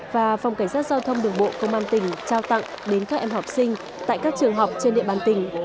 và phòng cảnh sát giao thông đường bộ công an tỉnh trao tặng đến các em học sinh tại các trường học trên địa bàn tỉnh